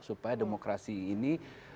supaya demokrasi ini